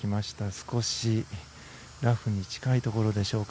少しラフに近いところでしょうか。